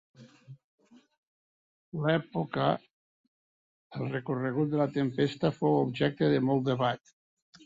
A l'època, el recorregut de la tempesta fou objecte de molt debat.